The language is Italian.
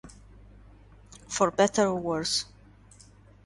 For Better or Worse